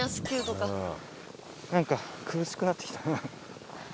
何か苦しくなって来た。